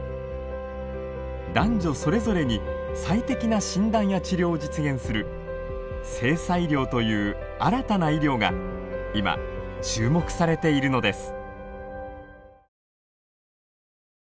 男女それぞれに最適な診断や治療を実現する性差医療という新たな医療が今注目されているのです。